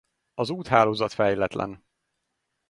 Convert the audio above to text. Az úthálózat fejletlen.